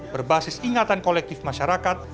berbasis ingatan kolektif masyarakat